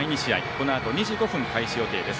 このあと２時５分開始予定です。